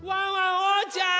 おうちゃん！